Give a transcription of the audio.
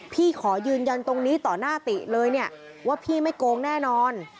พี่ขอยืนยันตรงนี้ต่อหน้าติเลยเนี่ยว่าพี่ไม่โกงแน่นอน